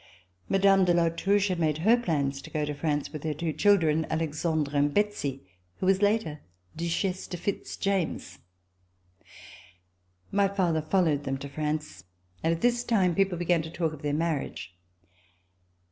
Mme. de La Touche had made her plans to go to France with her two children, Alexandre and Betsy, who was later Duchesse de Fitz James. My father followed them to France, and at this time people began to talk of their marriage.